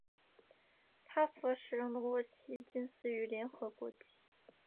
它所使用的国旗近似于联合国旗。